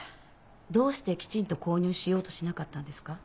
どうしてきちんと購入しようとしなかったんですか？